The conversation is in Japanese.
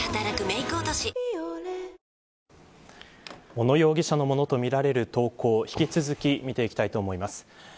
小野容疑者のものとみられる投稿を引き続き見ていきたいと思います。